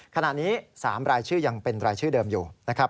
ขณะนี้๓รายชื่อยังเป็นรายชื่อเดิมอยู่นะครับ